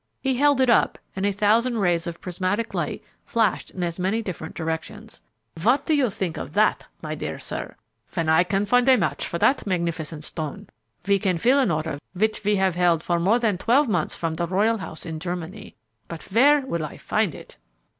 He held it up and a thousand rays of prismatic light flashed in as many different directions. "What do you think of that, my dear sir? When I can find a match for that magnificent stone, we can fill an order which we have held for more than twelve months from the royal house in Germany. But where will I find it?"